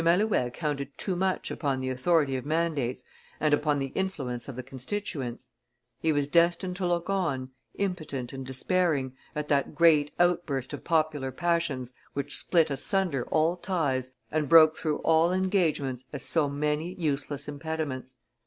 Malouet counted too much upon the authority of mandates and upon the influence of the constituents; he was destined to look on, impotent and despairing, at that great outburst of popular passions which split asunder all ties and broke through all engagements as so many useless impediments.